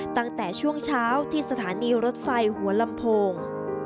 ตั้งแต่ช่วงเช้าที่สถานีรถไฟหัวลำโพง